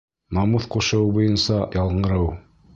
. Намыҫ ҡушыуы буйынса яңырыу